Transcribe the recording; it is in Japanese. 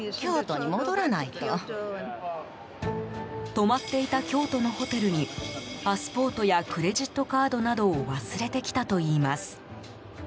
泊まっていた京都のホテルにパスポートやクレジットカードなどを忘れてきたといいます。